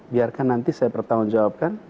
biarkan nanti saya bertanggung jawabkan